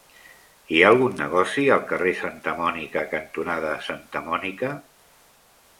Hi ha algun negoci al carrer Santa Mònica cantonada Santa Mònica?